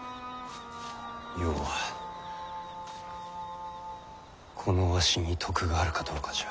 要はこのわしに徳があるかどうかじゃ。